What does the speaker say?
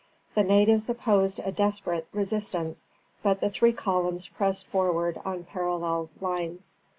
The natives opposed a desperate resistance, but the three columns pressed forward on parallel lines.